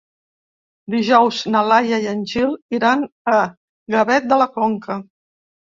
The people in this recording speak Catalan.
Dijous na Laia i en Gil iran a Gavet de la Conca.